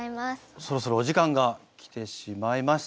そろそろお時間が来てしまいました。